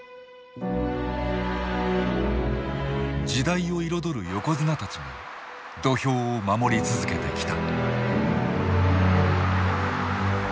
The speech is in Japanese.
時代を彩る横綱たちが土俵を守り続けてきた。